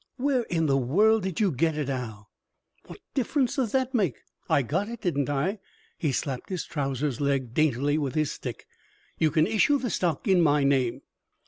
"Where in the world did you get it, Al?" "What difference does that make? I got it, didn't I?" He slapped his trousers leg daintily with his stick. "You can issue the stock in my name."